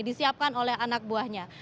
disiapkan oleh anak buahnya